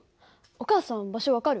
お母さん場所分かる？